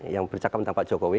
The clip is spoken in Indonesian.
yang bercakap tentang pak jokowi